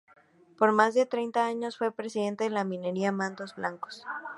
Por más de treinta años fue presidente de la minera Mantos Blancos.